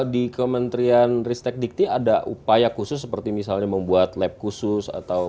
di kementerian ristek dikti ada upaya khusus seperti misalnya membuat lab khusus atau